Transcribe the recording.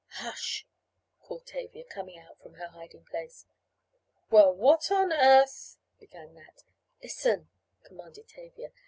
"Hush," called Tavia, coming out from her hiding place. "Well, what on earth " began Nat. "Listen," commanded Tavia.